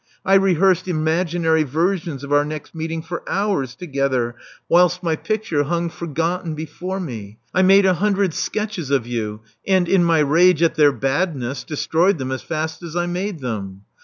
I rehearsed imaginary versions of our next meeting for hours together, whilst my picture hung forgotten Love Among the Artists 363 before me. I made a hundred sketches of you, and, in my rage at their badness, destroyed them as fast as I made them.